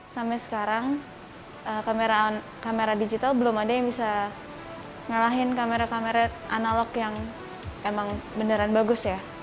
sampai sekarang kamera digital belum ada yang bisa ngalahin kamera kamera analog yang emang beneran bagus ya